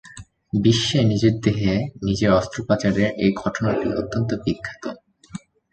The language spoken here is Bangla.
বিশ্বে নিজের দেহে নিজের অস্ত্রোপচারের এই ঘটনাটি অত্যন্ত বিখ্যাত।